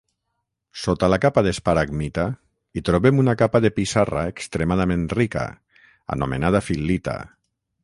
Sota la capa de esparagmita, hi trobem una capa de pissarra extremadament rica, anomenada fil·lita.